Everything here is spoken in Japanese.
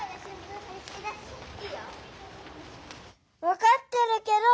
わかってるけど！